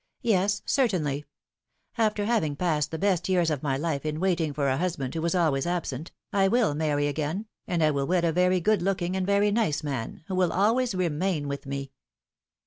^'Yes, certainly! After having passed the best years of my life in waiting for a husband who was always absent, I will marry again, and I will wed a very good looking and very nice man, who will always remain with me."